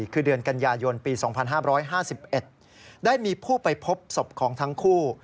คือเดือนกันยายนปี๒๕๕๑ได้มีผู้ไปพบศพของทั้งคู่